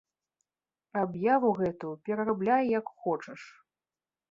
Аб'яву гэтую перарабляй, як хочаш.